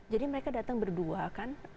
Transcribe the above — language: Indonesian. jadi mereka datang berdua kan